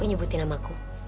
kok nyebutin nama ku